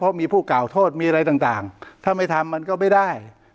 เพราะมีผู้กล่าวโทษมีอะไรต่างถ้าไม่ทำมันก็ไม่ได้